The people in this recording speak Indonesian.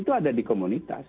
itu ada di komunitas